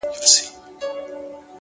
هوښیار انسان له تېروتنو زده کړه کوي!